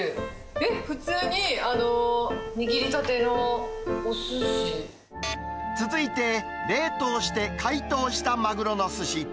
普通に、握りたてのおすし。続いて、冷凍して解凍したマグロのすし。